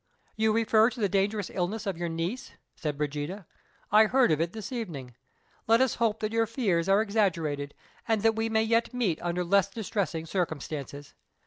"You refer to the dangerous illness of your niece?" said Brigida. "I heard of it this evening. Let us hope that your fears are exaggerated, and that we may yet meet under less distressing circumstances.